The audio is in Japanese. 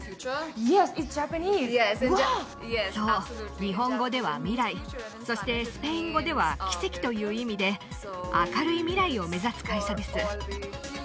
そう日本語では未来そしてスペイン語では奇跡という意味で明るい未来を目指す会社です